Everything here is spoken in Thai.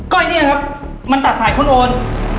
ก็อันนี้อะครับมันตัดสายคุณโอน